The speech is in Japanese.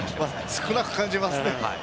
少なく感じますね。